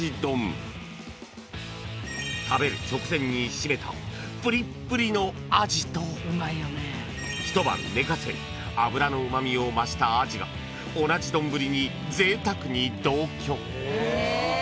［食べる直前にしめたぷりっぷりのアジと一晩寝かせ脂のうま味を増したアジが同じ丼にぜいたくに同居］